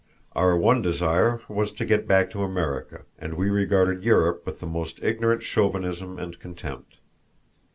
Our one desire was to get back to America, and we regarded Europe with the most ignorant chauvinism and contempt.